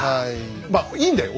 まあいいんだよ